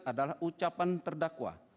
adalah ucapan terdakwa